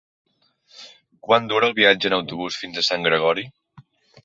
Quant dura el viatge en autobús fins a Sant Gregori?